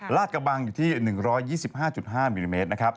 ลาดกระบังอยู่ที่๑๒๕๕มิลลิเมตร